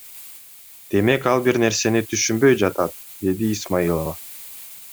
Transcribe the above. Демек, ал бир нерсени түшүнбөй жатат, — деди Исмаилова.